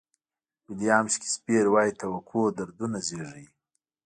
ویلیام شکسپیر وایي توقع دردونه زیږوي.